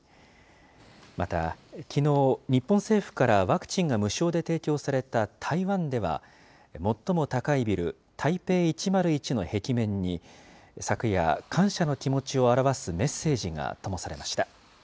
また、きのう、日本政府からワクチンが無償で提供された台湾では、最も高いビル、台北１０１の壁面に、昨夜、感謝の気持ちを表すメッセージがともされました。